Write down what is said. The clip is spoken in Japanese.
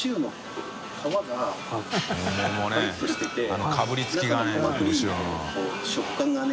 あのかぶりつきがね後ろの。